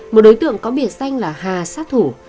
một đối tượng có biệt danh là hà sát thủ